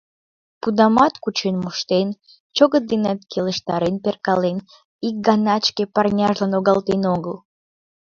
Пудамат кучен моштен, чӧгыт денат келыштарен перкален, ик ганат шке парняжлан логалтен огыл.